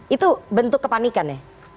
itu bentuk kepanikan ya